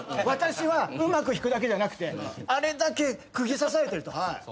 私はうまく弾くだけじゃなくてあれだけ釘刺されてると。